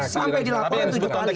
sampai dilaporkan tujuh kali